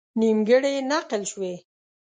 نیمګړې نقل شوې.